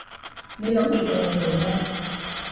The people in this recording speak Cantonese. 你諗住對我做咩？